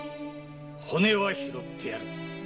骨は拾ってやる。